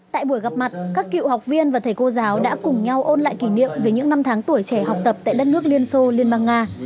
tại buổi gặp mặt các cựu học viên và thầy cô giáo đã cùng nhau ôn lại kỷ niệm về những năm tháng tuổi trẻ học tập tại đất nước liên xô liên bang nga